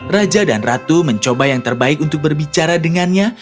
raja dan ratu mencoba yang terbaik untuk berbicara dengannya